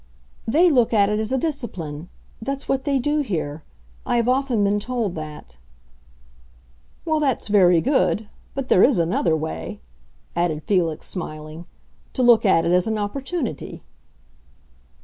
"They look at it as a discipline—that's what they do here. I have often been told that." "Well, that's very good. But there is another way," added Felix, smiling: "to look at it as an opportunity."